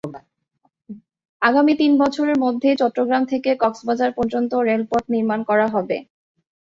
আগামী তিন বছরের মধ্যেই চট্টগ্রাম থেকে কক্সবাজার পর্যন্ত রেলপথ নির্মাণ করা হবে।